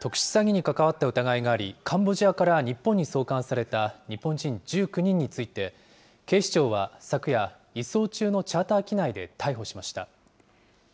特殊詐欺に関わった疑いがあり、カンボジアから日本に送還された日本人１９人について、警視庁は昨夜、移送中のチャーター機内で逮捕しました。